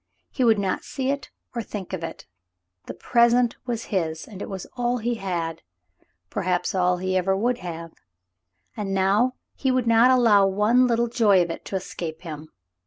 He would not see it nor think of it. The present was his, and it was all he had, perhaps all he ever would have ; and now he would not allow one little joy of it to escape him.